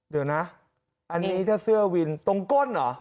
เดี๋ยวนะอันนี้ถ้าเสื้อวินตรงก้นเหรอ